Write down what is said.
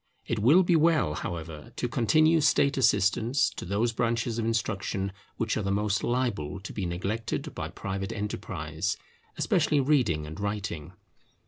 It will be well, however, to continue State assistance to those branches of instruction which are the most liable to be neglected by private enterprise, especially reading and writing.